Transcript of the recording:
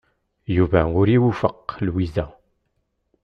Yuba ur iwufeq Lwiza.